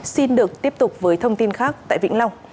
xin được tiếp tục với thông tin khác tại vĩnh long